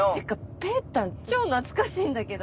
ぺーたん超懐かしいんだけど。